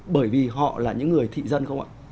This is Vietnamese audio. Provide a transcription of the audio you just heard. bởi vì họ là những người thị dân không ạ